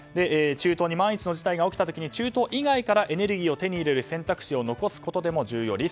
中東に万一の事態が起きた時に中東以外からエネルギーを手に入れる選択肢を残すということでも重要。